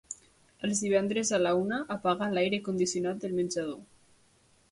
Els divendres a la una apaga l'aire condicionat del menjador.